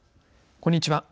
こんにちは。